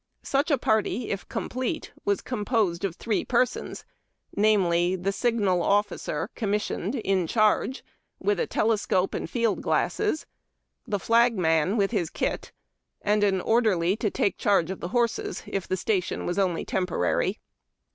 Such a party, if complete, was composed of three persons, viz., the signal officer (commissioned) in charge, with a telesco[)e and field TALKING FLAGS AND TORCHES. 399 glass ; the flagman, with his kit, and an orderly to ta.ke charge of the horses, if the station was only temporary.